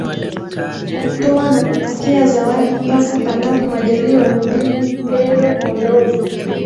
kutoa na kupokea zawadi mpaka panapo majaliwa ni mimi pendo pondovi